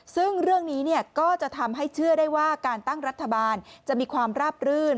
ซึ่งเรื่องนี้ก็จะทำให้เชื่อได้ว่าการตั้งรัฐบาลจะมีความราบรื่น